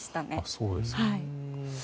そうですか。